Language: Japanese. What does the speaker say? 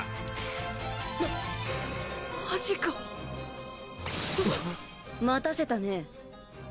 ママジか待たせたね